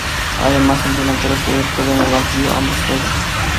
Además, el delantero exterior quedó en el banquillo ambos juegos.